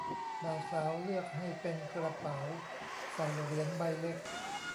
บ่าวสาวเลือกให้เป็นกระเป๋าใส่เหรียญใบเล็ก